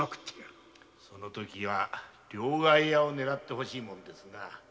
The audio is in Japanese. その時は両替屋を狙って欲しいですな。